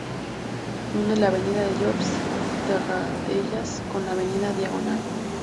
Une la avenida de Josep Tarradellas con la avenida Diagonal.